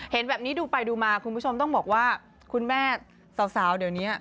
เห็นแบบนี้ดูไปดูมาคุณผู้ชมต้องบอกว่าคุณแม่สาวเดี๋ยวนี้